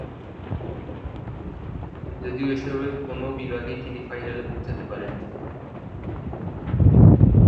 যদিও এসবের কোনো বিভাগেই তিনি ফাইনালে পৌঁছাতে পারেননি।